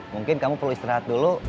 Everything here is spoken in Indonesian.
mungkin kamu perlu istirahat dulu